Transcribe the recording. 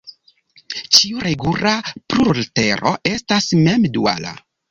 Ĉiu regula plurlatero estas mem-duala.